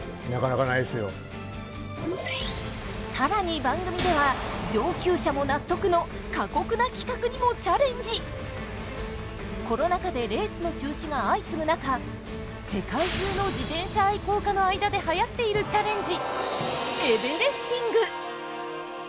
更に番組では上級者も納得のコロナ禍でレースの中止が相次ぐ中世界中の自転車愛好家の間ではやっているチャレンジ